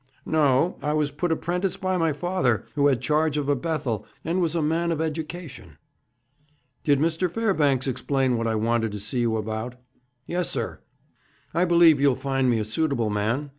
'No. I was put apprentice by my father, who had charge of a Bethel, and was a man of education.' 'Did Mr. Fairbanks explain what I wanted to see you about?' 'Yes, sir. I believe you'll find me a suitable man.